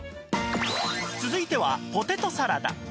続いてはポテトサラダ